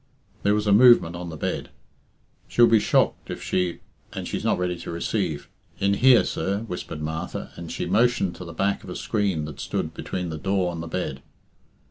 There was a movement on the bed. "She'll be shocked if she and she's not ready to receive in here, sir," whispered Martha, and she motioned to the back of a screen that stood between the door and the bed.